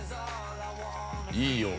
いいよ。